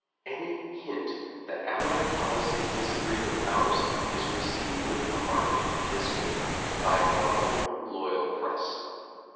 Any hint that Allied policies disagree with ours is received with marked disfavor by our own loyal press.